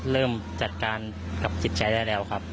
เริ่มจัดการกับจิตใจได้แล้วครับ